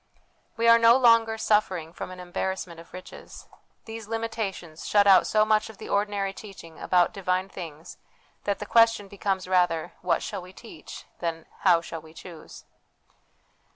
We are no longer suffering from an embarrassment of riches ; these limitations shut out so much of the ordinary teaching about divine things that the question becomes rather, What shall we teach ? than, How shall we choose